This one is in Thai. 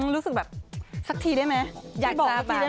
รู้สึกแบบสักทีได้ไหมอยากบอกสักทีได้ไหม